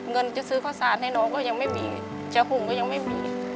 เงินจะซื้อข้าวสารให้น้องก็ยังไม่มีจะหุงก็ยังไม่มี